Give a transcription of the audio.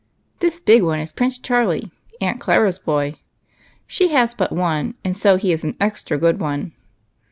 This big one is Prince Charlie, Aunt Clara's boy. She has but one, so he is an extra good one.